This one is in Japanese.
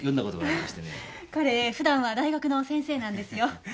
彼普段は大学の先生なんですよ。